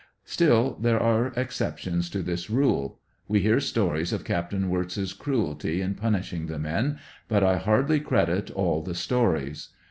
Still, there are exceptions to this rule. We hear stories of Capt. Wirtz's cruelty in punishing the men, but I hardly credit all the stories.